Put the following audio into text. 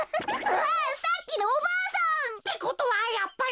うわさっきのおばあさん！ってことはやっぱり。